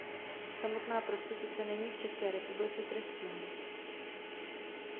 Samotná prostituce není v České republice trestná.